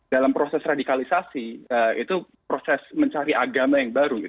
dalam proses radikalisasi itu proses mencari agama yang baru